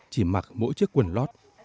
chỉ mặc mỗi chiếc quần lót